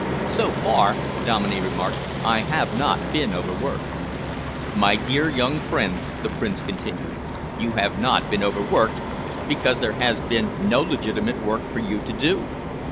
"So far," Dominey remarked, "I have not been overworked." "My dear young friend," the Prince continued, "you have not been overworked because there has been no legitimate work for you to do.